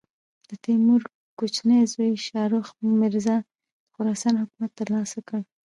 د تیمور کوچني زوی شاهرخ مرزا د خراسان حکومت تر لاسه کړ.